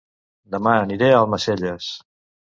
Dema aniré a Almacelles